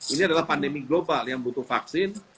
ini adalah pandemi global yang butuh vaksin